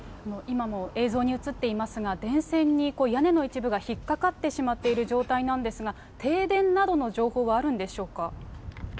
今も映像に映っていますが、電線に屋根の一部が引っ掛かってしまっている状態なんですが、停電などの情報はあるんでしょうか。